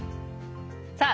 さあ